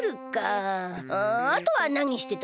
ああとはなにしてた？